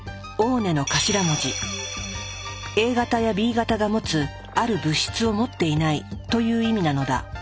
Ａ型やＢ型が持つある物質を持っていないという意味なのだ。